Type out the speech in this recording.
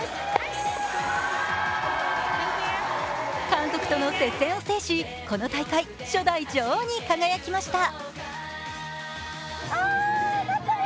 韓国との接戦を制しこの大会初代女王に輝きました。